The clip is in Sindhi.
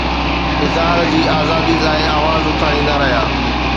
اظهار جي آزادي لاءِ آواز اٿاريندا رهيا.